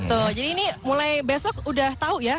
tuh jadi ini mulai besok udah tahu ya